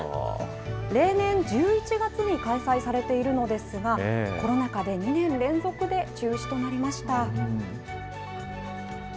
例年１１月に開催されているのですが、コロナ禍で２年連続で中止となりました。